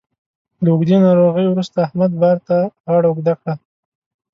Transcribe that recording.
له اوږدې ناروغۍ وروسته احمد بار ته غاړه اوږده کړه